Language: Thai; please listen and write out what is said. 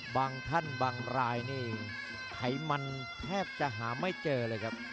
บางท่านบางรายนี่ไขมันแทบจะหาไม่เจอเลยครับ